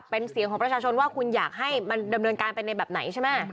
เป็นเสียงของประชาชนว่าคุณอยากให้มันดำเนินการไปในแบบไหนใช่ไหม